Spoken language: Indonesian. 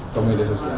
ke media sosial